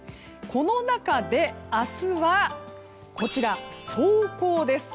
この中で明日は霜降です。